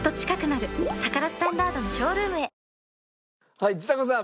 はいちさ子さん！